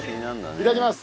いただきます。